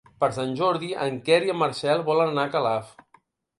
Per Sant Jordi en Quer i en Marcel volen anar a Calaf.